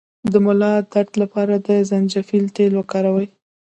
د ملا درد لپاره د زنجبیل تېل وکاروئ